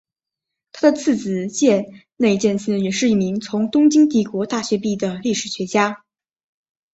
他的次子箭内健次也是一名从东京帝国大学毕业的历史学家。